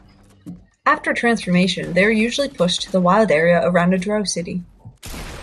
After transformation, they are usually pushed to the wild area around a drow city.